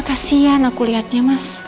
kasian aku liatnya mas